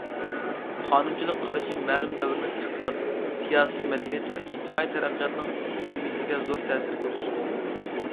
قانۇنچىلىق قارىشى مەلۇم دەۋرنىڭ ئىقتىساد، سىياسىي، مەدەنىيەت ۋە ئىجتىمائىي تەرەققىياتىنىڭ ئومۇمىيىتىگە زور تەسىر كۆرسىتىدۇ.